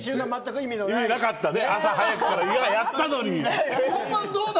意味なかったね、朝早くからやったのに。